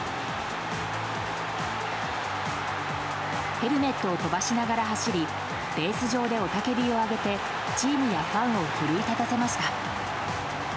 ヘルメットを飛ばしながら走りベース上で雄たけびを上げてチームやファンを奮い立たせました。